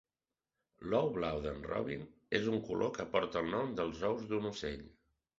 "L'ou blau d'en Robin" és un color que porta el nom dels ous d'un ocell.